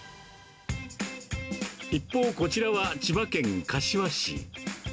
一方、こちらは千葉県柏市。